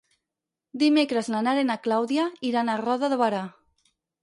Dimecres na Nara i na Clàudia iran a Roda de Berà.